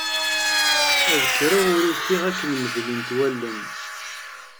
Ad kreɣ ur ukiɣ akken medlent wallen.